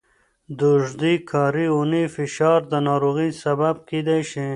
د اوږدې کاري اونۍ فشار د ناروغۍ سبب کېدای شي.